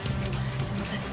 すいません。